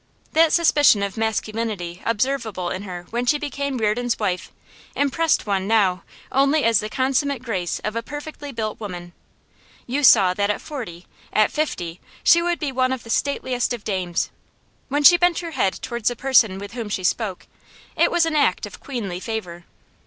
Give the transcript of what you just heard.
That suspicion of masculinity observable in her when she became Reardon's wife impressed one now only as the consummate grace of a perfectly built woman. You saw that at forty, at fifty, she would be one of the stateliest of dames. When she bent her head towards the person with whom she spoke, it was an act of queenly favour.